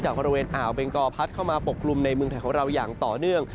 บริเวณอ่าวเบงกอพัดเข้ามาปกกลุ่มในเมืองไทยของเราอย่างต่อเนื่อง